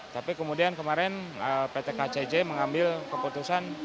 tapi kemudian kemarin pt kcj mengambil keputusan